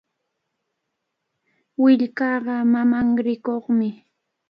Willkanqa mamanrikuqmi.